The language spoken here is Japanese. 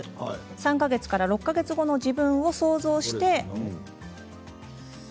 ３か月から６か月後の自分を想像して。